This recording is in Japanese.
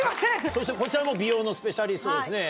そしてこちらも美容のスペシャリストですね。